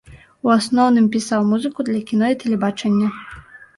У асноўным пісаў музыку для кіно і тэлебачання.